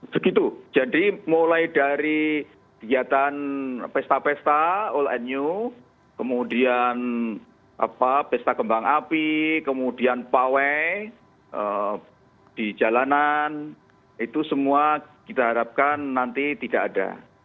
segitu jadi mulai dari kegiatan pesta pesta all and new kemudian pesta kembang api kemudian pawai di jalanan itu semua kita harapkan nanti tidak ada